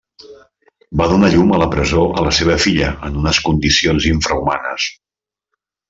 Va donar a llum en la presó la seva filla en unes condicions infrahumanes.